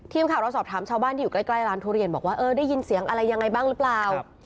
ทีมข่าวเราสอบถามชาวบ้านที่อยู่ใกล้ร้านทุเรียนบอกว่าเออได้ยินเสียงอะไรยังไงบ้างหรือเปล่า